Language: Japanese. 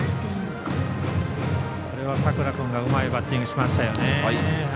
これは佐倉君がうまいバッティングしましたね。